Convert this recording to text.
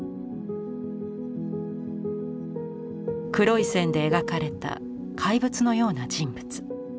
黒い線で描かれた怪物のような人物。